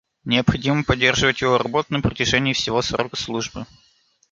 Необходимо поддерживать его работу на протяжении всего срока службы